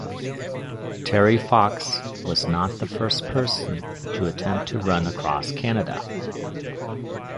Terry Fox was not the first person to attempt to run across Canada.